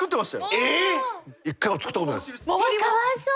えっかわいそう！